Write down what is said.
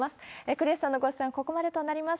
クリスさんのご出演はここまでとなります。